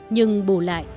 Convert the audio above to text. nhưng bù lại